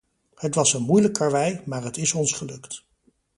Het was een moeilijk karwei, maar het is ons gelukt.